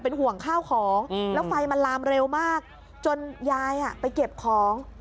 ห่วงข้าวของแล้วไฟมันลามเร็วมากจนยายไปเก็บของ